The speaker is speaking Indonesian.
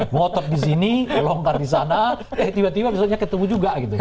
motot di sini longkar di sana tiba tiba misalnya ketemu juga gitu